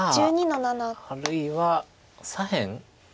あるいは左辺